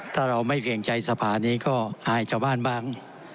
ถ้าเราไม่เกรงใจสภานี้ก็อายชาวบ้านบ้าง